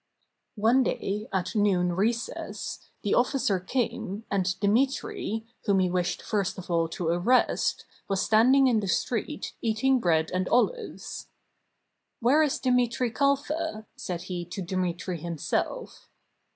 One day, at noon recess, the officer came, and De metrij whom he wished first of all to arrest, was stand ing in the street, eating bread and olives. "Where is Demetri Calfa?" said he to Demetri himself.